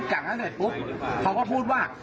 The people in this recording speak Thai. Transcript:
จากนั้นเสร็จปุ๊บเขาก็พูดว่า